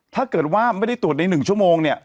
ถ้าเกิดว่าไม่ได้ตรวจใน๑ชั่วโมงเนี่ย